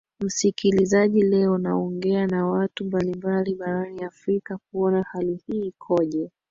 msikilizaji leo naongea na watu mbalimbali barani afrika kuona hali hii ikoje